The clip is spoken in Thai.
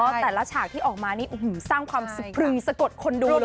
แต่ละฉากที่ออกมานี่สร้างความสะพรือสะกดคนดูเลย